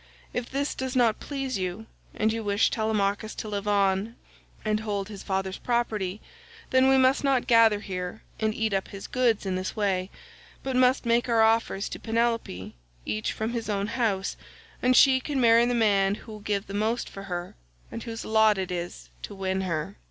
If this does not please you, and you wish Telemachus to live on and hold his father's property, then we must not gather here and eat up his goods in this way, but must make our offers to Penelope each from his own house, and she can marry the man who will give the most for her, and whose lot it is to win her."